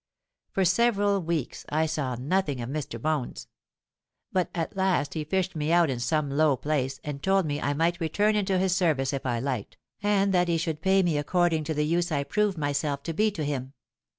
For several weeks I saw nothing of Mr. Bones; but at last he fished me out in some low place, and told me I might return into his service if I liked, and that he should pay me according to the use I proved myself to be to him.